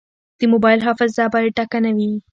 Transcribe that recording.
د موبایل حافظه باید ډکه نه وي.